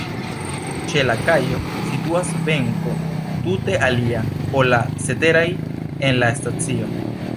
Ĉe la kajo situas benko, tute alia, ol la ceteraj en la stacio.